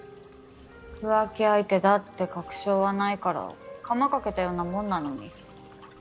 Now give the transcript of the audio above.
浮気相手だって確証はないからカマかけたようなもんなのに。